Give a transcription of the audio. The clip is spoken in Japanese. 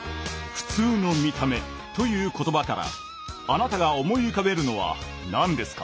「ふつうの見た目」という言葉からあなたが思い浮かべるのは何ですか？